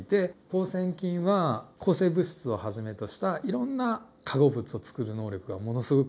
放線菌は抗生物質をはじめとしたいろんな化合物をつくる能力がものすごく優れています。